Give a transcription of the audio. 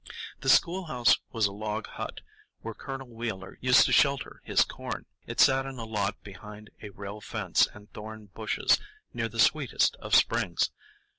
The schoolhouse was a log hut, where Colonel Wheeler used to shelter his corn. It sat in a lot behind a rail fence and thorn bushes, near the sweetest of springs.